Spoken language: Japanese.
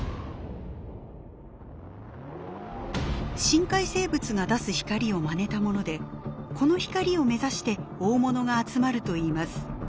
深海生物が出す光をまねたものでこの光を目指して大物が集まるといいます。